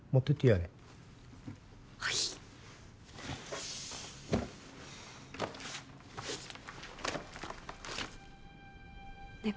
あれはいいねえ